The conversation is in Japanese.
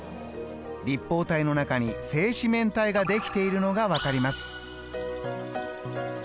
立方体の中に正四面体が出来ているのが分かります。